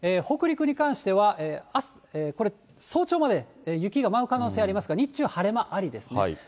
北陸に関しては、これ、早朝まで雪が舞う可能性ありますが、日中、晴れ間ありですね。